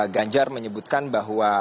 ganjar menyebutkan bahwa